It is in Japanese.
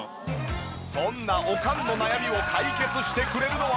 そんなおかんの悩みを解決してくれるのは。